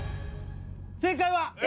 正解はＡ！